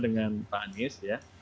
dengan pak anies ya